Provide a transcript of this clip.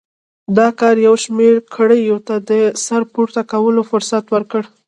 دا کار یو شمېر کړیو ته د سر پورته کولو فرصت ورکړ.